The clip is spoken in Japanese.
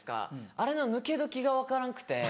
あれの抜け時が分からんくて。